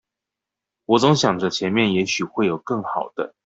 我總想著前面也許會有更好的